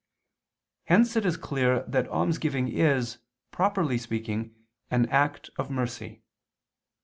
Hence it is clear that almsgiving is, properly speaking, an act of mercy.